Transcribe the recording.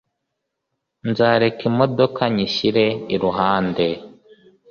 Nzareka imodoka nyishyire iruhande